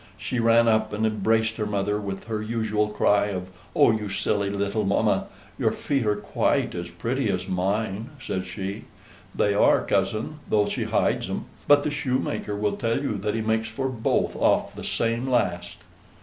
She ran up and embraced her mother, with her usual cry of, "Oh, you silly little mamma: your feet are quite as pretty as mine," says she: "they are, cousin, though she hides 'em; but the shoemaker will tell you that he makes for both off the same last."